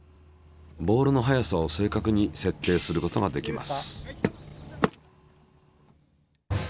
ボールの速さを正確に設定することができます。